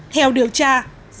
theo đối tượng